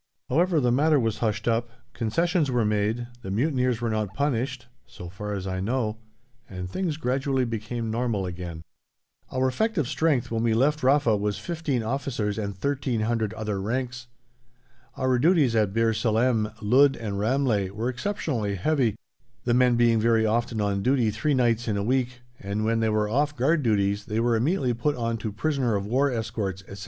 However, the matter was hushed up, concessions were made, the mutineers were not punished, so far as I know, and things gradually became normal again. Our effective strength when we left Rafa was 15 officers and 1,300 other ranks. Our duties at Bir Salem, Ludd, and Ramleh were exceptionally heavy, the men being very often on duty three nights in a week, and when they were off guard duties they were immediately put on to prisoner of war escorts, etc.